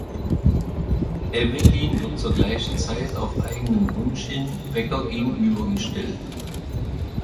Evelyn wird zur gleichen Zeit auf eigenen Wunsch hin Becker gegenübergestellt.